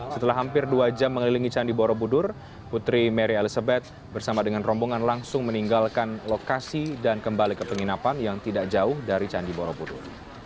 setelah hampir dua jam mengelilingi candi borobudur putri mary elizabeth bersama dengan rombongan langsung meninggalkan lokasi dan kembali ke penginapan yang tidak jauh dari candi borobudur